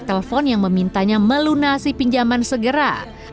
telepon yang memintanya melunasi pinjaman segera